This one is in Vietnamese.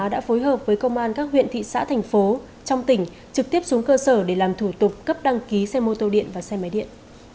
đã phối hợp với công an các huyện thị xã thành phố trong tỉnh trực tiếp xuống cơ sở để làm thủ tục cấp đăng ký xe mô tô điện và xe máy điện